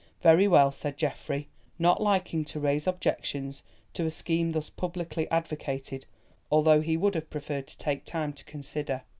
"Very well," said Geoffrey, not liking to raise objections to a scheme thus publicly advocated, although he would have preferred to take time to consider.